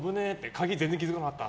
鍵、全然気づかなかった！